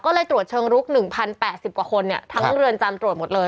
ก็เลยตรวจเชิงลุก๑๐๘๐กว่าคนทั้งเรือนจำตรวจหมดเลย